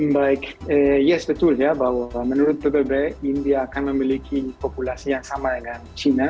baik yes betul ya bahwa menurut bpb india akan memiliki populasi yang sama dengan china